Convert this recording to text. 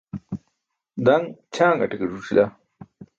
Daṅ ćʰangate ke ẓuc̣ila.